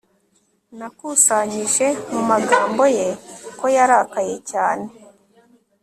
Nakusanyije mu magambo ye ko yarakaye cyane